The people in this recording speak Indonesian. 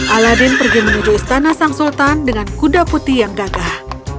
aladin pergi menuju istana sang sultan dengan kuda putih yang gagah